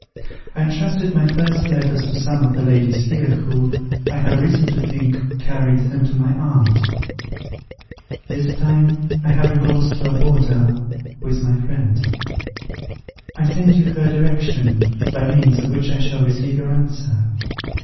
I entrusted my first letters to some of the ladies here, who, I have reason to think, carried them to my aunt. This time I have recourse to a boarder, who is my friend. I send you her direction, by means of which I shall receive your answer.